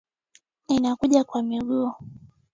Ninakuja kwa miguu.